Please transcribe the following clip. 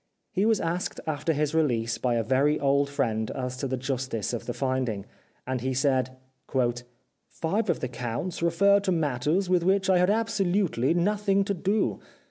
He was asked after his release by a very old friend as to the justice of the finding, and he said :" Five of the counts referred to matters with which I had absolutely nothing to do.